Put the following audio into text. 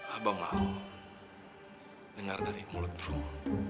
abang mau dengar dari mulut semua